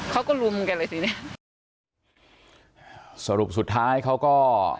เขาก็ลุมกันเลยทีเนี้ยสรุปสุดท้ายเขาก็